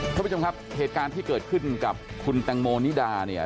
ท่านผู้ชมครับเหตุการณ์ที่เกิดขึ้นกับคุณแตงโมนิดาเนี่ย